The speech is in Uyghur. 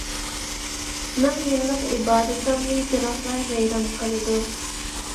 مىڭ يىللىق ئىبادىتىڭنى بىراقلا ۋەيران قىلىدۇ.